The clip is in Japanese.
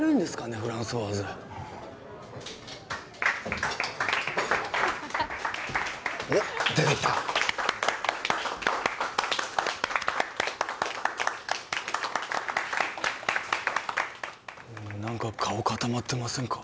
フランソワーズおッ出てきたなんか顔固まってませんか？